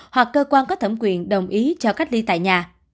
hoặc cơ quan có thẩm quyền đồng ý cho cách ly tại nhà